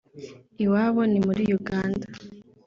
iwabo ni muri Uganda